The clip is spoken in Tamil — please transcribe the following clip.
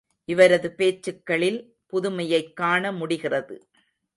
இவரது பேச்சுக்களில் புதுமையைக் காண முடிகிறது.